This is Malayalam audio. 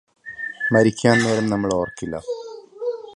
മരിക്കാന് നേരം നമ്മള് ഓര്ക്കില്ല